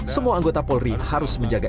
semua anggota polri harus menjaga